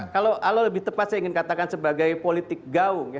kalau lebih tepat saya ingin katakan sebagai politik gaung ya